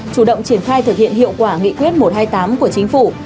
chủ động triển khai thực hiện hiệu quả nghị quyết một trăm hai mươi tám của chính phủ